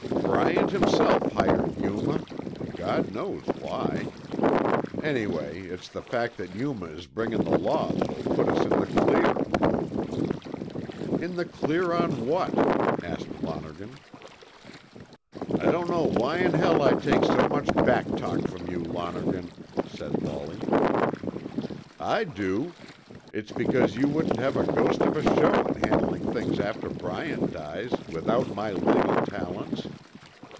"Bryant himself hired Yuma, an' God knows why. Anyway, it's the fact that Yuma is bringin' the law that'll put us in the clear." "In the clear on what?" asked Lonergan. "I don't know why in hell I take so much back talk from you, Lonergan," said Wallie. "I do. It's because you wouldn't have a ghost of a show in handling things after Bryant dies, without my legal talents."